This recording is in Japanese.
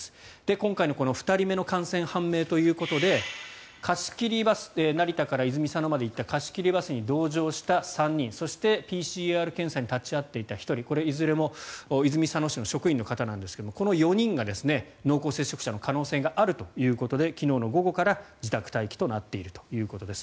今回の、この２人目の感染判明ということで成田から泉佐野市まで行った貸し切りバスに同乗した３人そしてＰＣＲ検査に立ち会っていた１人これ、いずれも泉佐野市の職員の方ですがこの４人が濃厚接触者の可能性があるということで昨日の午後から自宅待機となっているということです。